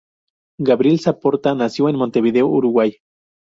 Gabriel Saporta nació en Montevideo, Uruguay.